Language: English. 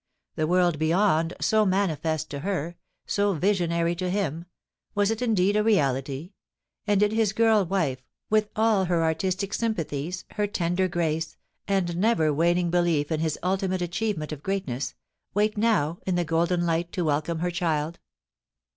The world beyond, so manifest to her — so visionary to him — was it indeed a reality, and did his girl wife, with all her artistic sympathies, her tender grace, and never waning belief in his ultimate achievement of greatness, wait now in the golden light to welcome her child